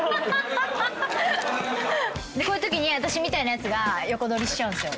こういうときに私みたいなやつが横取りしちゃうんですよ。